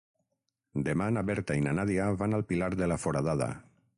Demà na Berta i na Nàdia van al Pilar de la Foradada.